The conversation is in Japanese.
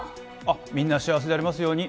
みんな幸せでありますように。